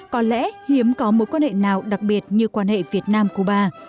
có lẽ hiếm có mối quan hệ nào đặc biệt như quan hệ việt nam cuba